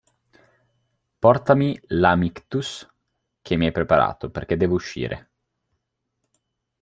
Portami l"'amictus" che mi hai preparato, perché devo uscire.